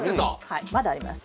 はいまだあります。